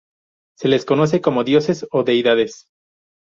Se les conoce como dioses o deidades.